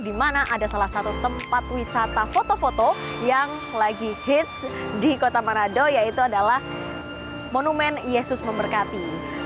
di mana ada salah satu tempat wisata foto foto yang lagi hits di kota manado yaitu adalah monumen yesus memberkati